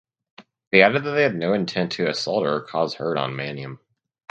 They added they had no intent to assault or cause hurt on Maniam.